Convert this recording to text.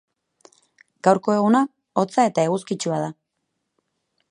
Gaurko eguna hotza eta eguzkitsua da